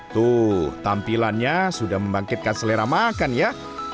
tuh tampilannya sudah membangkitkan selera makan ya